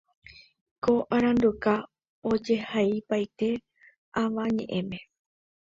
Ko aranduka ojehaipaite avañeʼẽme.